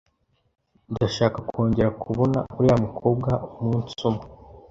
Ndashaka kongera kubona uriya mukobwa umunsi umwe.